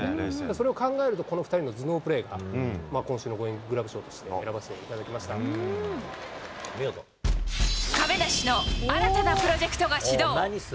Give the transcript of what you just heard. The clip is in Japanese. これを考えると、この２人の頭脳プレーが、今週のゴーインググラブ賞と亀梨の新たなプロジェクトが始動。